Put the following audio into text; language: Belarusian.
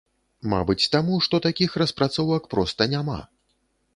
Мабыць, таму што такіх распрацовак проста няма.